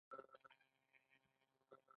دوی خپل تخنیکونو ته غوره والی ورکاوه